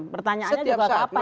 pertanyaannya juga kapan